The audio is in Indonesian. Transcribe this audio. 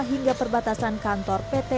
hingga perbatasan kantor pt